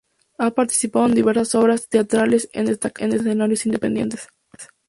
Ha participado en diversas obras teatrales en destacados escenarios independientes.